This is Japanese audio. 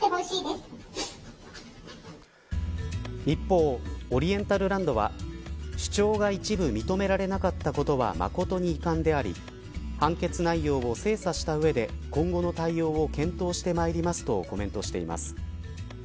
一方、オリエンタルランドは主張が一部認められなかったことは誠に遺憾であり判決内容を精査した上で今後の対応を検討してまいりますとコメントしています。